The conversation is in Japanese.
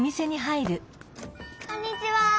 こんにちは！